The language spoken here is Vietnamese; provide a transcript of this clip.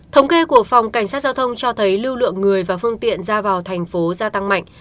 thống kê của phòng cảnh sát giao thông cho thấy lưu lượng người và phương tiện ra vào thành phố gia tăng mạnh